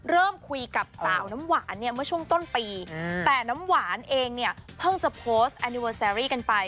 เริ่มคุยกับสาวน้ำหวานเนี่ยเมื่อช่วงต้นปีแต่น้ำหวานเองเนี่ยเพิ่งจะโพสต์แอนิเวอร์แซรี่กันไป